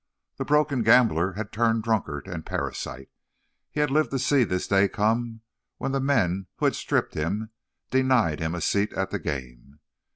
The broken gambler had turned drunkard and parasite; he had lived to see this day come when the men who had stripped him denied him a seat at the game.